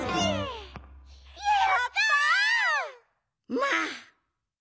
まあ！